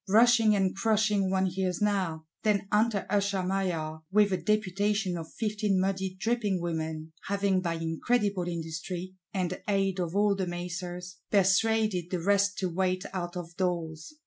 Rushing and crushing one hears now; then enter Usher Maillard, with a Deputation of Fifteen muddy dripping Women,—having by incredible industry, and aid of all the macers, persuaded the rest to wait out of doors.